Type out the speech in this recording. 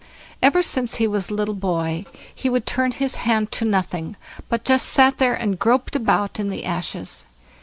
Ever since he was a little boy he would turn his hand to nothing, but just sat there and groped about in the ashes.